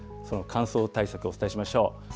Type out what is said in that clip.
その乾燥対策、お伝えしましょう。